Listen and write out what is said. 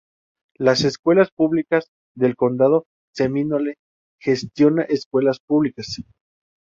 Las Escuelas Públicas del Condado Seminole gestiona escuelas públicas.